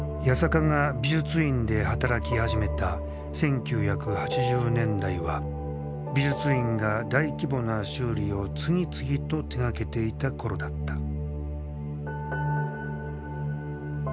八坂が美術院で働き始めた１９８０年代は美術院が大規模な修理を次々と手がけていた頃だった。